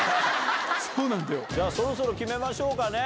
そろそろ決めましょうかね。